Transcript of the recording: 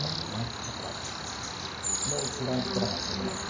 だからもう１眼作らないといけないです